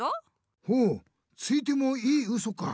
ほうついてもいいウソか。